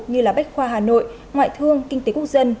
như là bách khoa hà nội ngoại thương kinh tế quốc dân